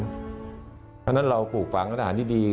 เพราะฉะนั้นเราปลูกฝังรัฐฐานที่ดี